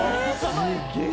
すげえ。